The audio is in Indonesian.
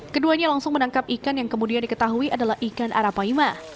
keduanya langsung menangkap ikan yang kemudian diketahui adalah ikan arapaima